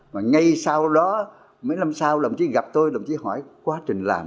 mà ngay sau đó mấy năm sau đồng chí gặp tôi đồng chí hỏi quá trình làm